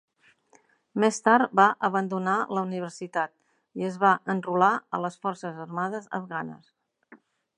Més tard va abandonar la universitat i es va enrolar a les Forçes Armades Afganes.